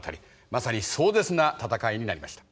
まさに壮絶なたたかいになりました。